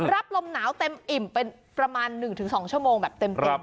รับลมหนาวเต็มอิ่มเป็นประมาณ๑๒ชั่วโมงแบบเต็ม